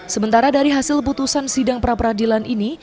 sementara dari hasil putusan sidang perapradilan ini